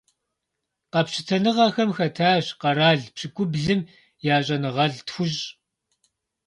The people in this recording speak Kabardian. Къэпщытэныгъэхэм хэтащ къэрал пщыкӏублым я щӀэныгъэлӀ тхущӏ.